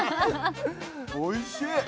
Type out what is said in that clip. おいしい！